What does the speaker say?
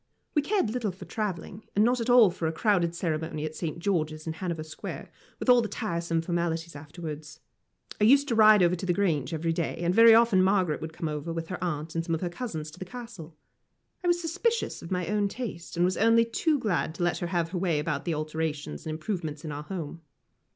We cared little for travelling, and not at all for a crowded ceremony at St. George's in Hanover Square, with all the tiresome formalities afterwards. I used to ride over to the Grange every day, and very often Margaret would come with her aunt and some of her cousins to the Castle. I was suspicious of my own taste, and was only too glad to let her have her way about the alterations and improvements in our home.